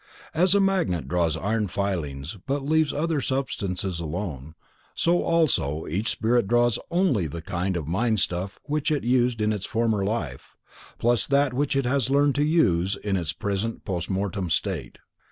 As a magnet draws iron filings but leaves other substances alone, so also each spirit draws only the kind of mind stuff which it used in its former life, plus that which it has learned to use in its present post mortem state.